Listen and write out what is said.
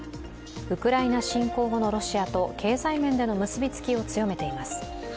ウクライナ侵攻後のロシアと経済面での結びつきを強めています。